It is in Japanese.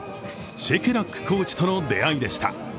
シェケラックコーチとの出会いでした。